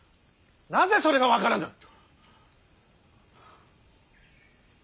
なぜそれが分からぬ。